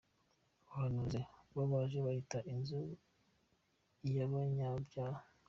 Abahanuzi bo baje kuhita “inzu y’abanyabyaha.”